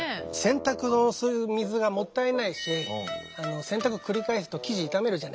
洗濯のそういう水がもったいないし洗濯を繰り返すと生地傷めるじゃないですか。